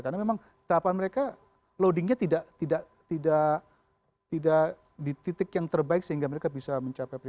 karena memang tahapan mereka loadingnya tidak tidak tidak tidak di titik yang terbaik sehingga mereka bisa mencapai